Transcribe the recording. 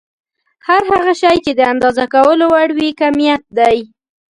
هر هغه شی چې د اندازه کولو وړ وي کميت دی.